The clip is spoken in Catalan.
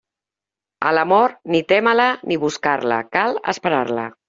A la mort, ni témer-la ni buscar-la: cal esperar-la.